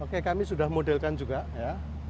oke kami sudah modelkan juga ya